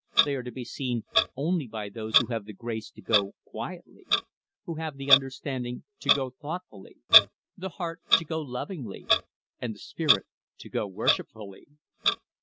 They are to be seen only by those who have the grace to go quietly; who have the understanding to go thoughtfully; the heart to go lovingly; and the spirit to go worshipfully.